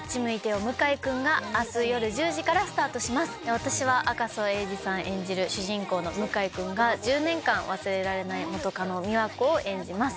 私は赤楚衛二さん演じる主人公の向井君が１０年間忘れられない元カノ美和子を演じます。